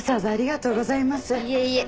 いえいえ。